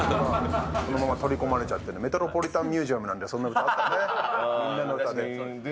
このまま取り込まれちゃってる、メトロポリタンミュージアムなんてそんな歌あったね。